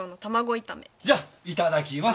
じゃいただきます。